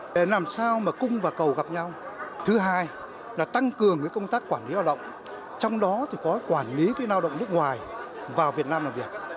để làm sao mà cung và cầu gặp nhau thứ hai là tăng cường công tác quản lý lao động trong đó thì có quản lý lao động nước ngoài vào việt nam làm việc